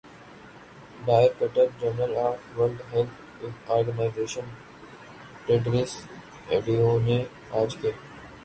director general of World Health Organization Tedros Adhanom نے آج کہ